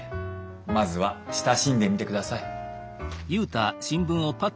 まずは親しんでみてください。